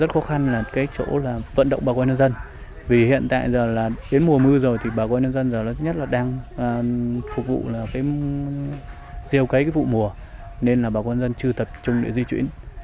phục vụ là cái rêu cấy cái vụ mùa nên là bà quân dân chưa tập trung để di chuyển